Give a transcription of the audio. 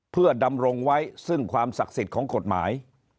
เพื่อดำรงไว้ซึ่งความศักดิ์สิทธิ์ของกฎหมาย